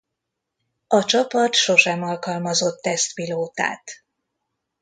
A csapat sosem alkalmazott tesztpilótát.